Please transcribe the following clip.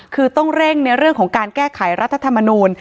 คือต้องเร่งในเรื่องของการแก้ไขรัฐธรรมนูล